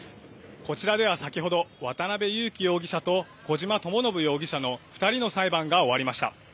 こちらでは先ほど渡邉優樹容疑者と小島智信容疑者の２人の裁判が終わりました。